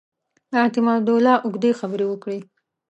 اعتماد الدوله اوږدې خبرې وکړې.